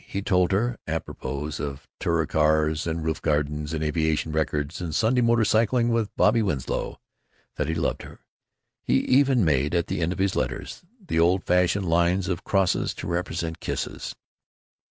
He told her, apropos of Touricars and roof gardens and aviation records and Sunday motor cycling with Bobby Winslow, that he loved her; he even made, at the end of his letters, the old fashioned lines of crosses to represent kisses.